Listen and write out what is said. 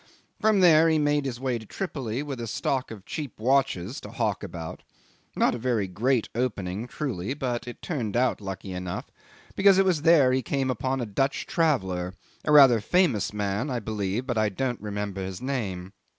From there he made his way to Tripoli with a stock of cheap watches to hawk about, not a very great opening truly, but it turned out lucky enough, because it was there he came upon a Dutch traveller a rather famous man, I believe, but I don't remember his name.